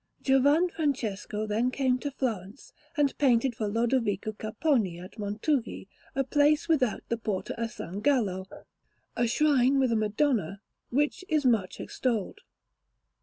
Giovan Francesco then came to Florence, and painted for Lodovico Capponi at Montughi, a place without the Porta a San Gallo, a shrine with a Madonna, which is much extolled.